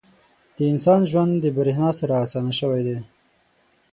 • د انسان ژوند د برېښنا سره اسانه شوی دی.